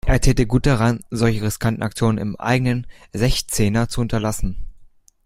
Er täte gut daran, solche riskanten Aktionen im eigenen Sechzehner zu unterlassen.